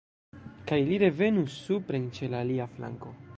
Kaj li revenus supren ĉe la alia flanko.